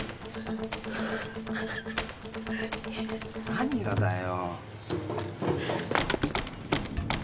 何がだよ？